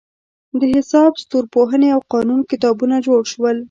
د حساب، ستورپوهنې او قانون کتابونه جوړ شول.